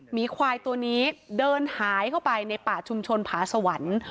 หมีควายตัวนี้เดินหายเข้าไปในป่าชุมชนผาสวรรค์